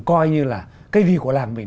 coi như là cái gì của làng mình